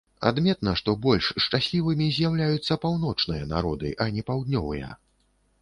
Адметна, што больш шчаслівымі з'яўляюцца паўночныя народы, а не паўднёвыя.